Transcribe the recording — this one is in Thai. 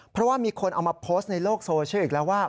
เพราะว่ามีคนเอามาโพสต์ในโลกโซเชียลอีกแล้วว่า